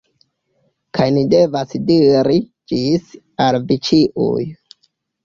Kaj ni devas diri "Ĝis" al vi ĉiuj.